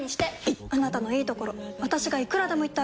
いっあなたのいいところ私がいくらでも言ってあげる！